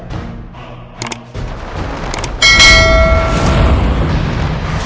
sampai jumpa lagi some day